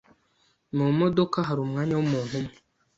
Mu modoka hari umwanya wumuntu umwe.